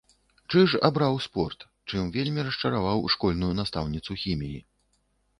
Чыж абраў спорт, чым вельмі расчараваў школьную настаўніцу хіміі.